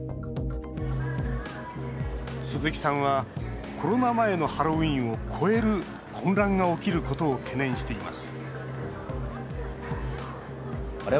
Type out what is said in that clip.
鈴木さんはコロナ前のハロウィーンを超える混乱が起きることを懸念しています